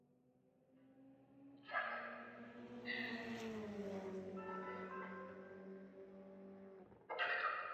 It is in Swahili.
Magreth alipendekeza waende Victoria baa na walipofika waliagiza vinywaji